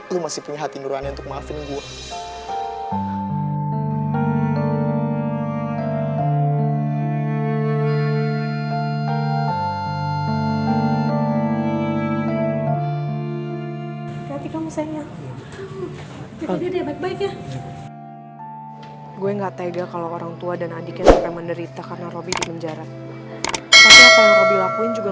lo masih punya hati nurwannya untuk maafin gue